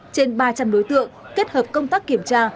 trên ba trăm linh đối tượng kết hợp công tác kiểm tra